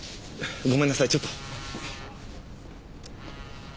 ごめんなさいちょっと。